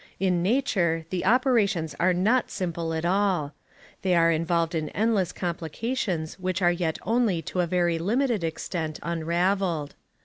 In nature the operations are not simple at all. They are involved in endless complications which are yet only to a very limited extent unravelled.